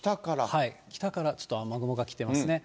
北からちょっと雨雲が来てますね。